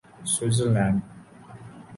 Switzer land